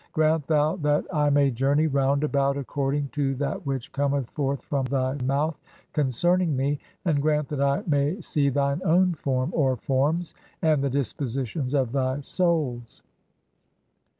Grant thou that I "may journey round about [according to] that which cometh "forth from thy mouth concerning me, (7) and grant that I may "see thine own Form (or forms), and the dispositions of thy "Souls.